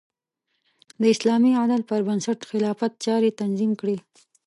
د اسلامي عدل پر بنسټ خلافت چارې تنظیم کړې.